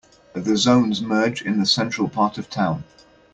The zones merge in the central part of town.